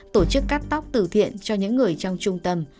tổ chức cắt tóc từ thiện cho những người trong trung tâm